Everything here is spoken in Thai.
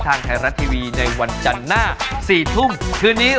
ทางไทยรัฐทีวีในวันจันทร์หน้า๔ทุ่มคืนนี้